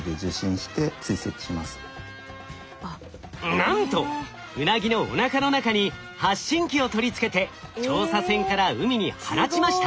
なんとウナギのおなかの中に発信機を取り付けて調査船から海に放ちました。